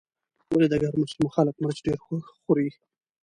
ولې د ګرمو سیمو خلک مرچ ډېر خوري.